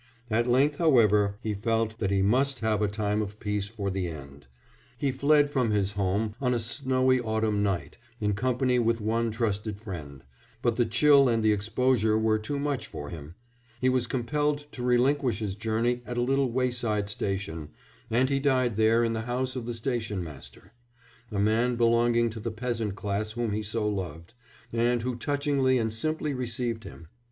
At length, however, he felt that he must have a time of peace for the end. He fled from his home on a snowy autumn night in company with one trusted friend, but the chill and the exposure were too much for him; he was compelled to relinquish his journey at a little wayside station, and he died there in the house of the station master, a man belonging to the peasant class whom he so loved, and who touchingly and simply received him.